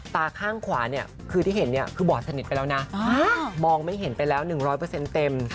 ตาข้างขวาคือบอกสนิทไปแล้วมองไม่เห็นไปแล้ว๑๐๐เปอร์เซ็นต์เต็ม